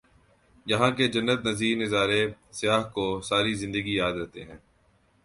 یہاں کے جنت نظیر نظارے سیاح کو ساری زندگی یاد رہتے ہیں